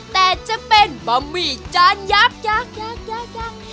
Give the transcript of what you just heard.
แต่จะเป็นบะหมี่จานยับยักยักยักยักยัก